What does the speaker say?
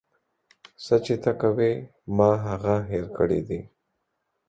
څه چې ته کوې ما هغه هير کړي دي.